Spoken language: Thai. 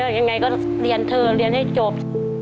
แม่สู้มาขนาดนี้เลยยังไงก็เรียนเธอเรียนให้จบ